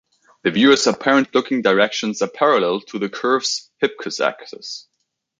The viewer's apparent looking directions are parallel to the curve's "hypcos" axis.